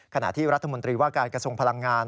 ขณะที่รัฐมนตรีว่าการกระทรวงพลังงาน